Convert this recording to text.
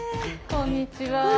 こんにちは。